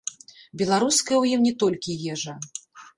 Беларуская ў ім не толькі ежа.